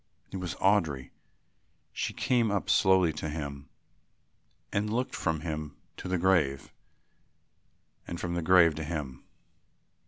It was Audry. She came slowly up to him and looked from him to the grave and from the grave to him.